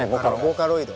ボーカロイド。